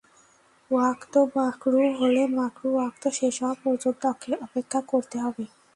ওয়াক্ত মাকরুহ হলে, মাকরুহ ওয়াক্ত শেষ হওয়া পর্যন্ত অপেক্ষা করতে হবে।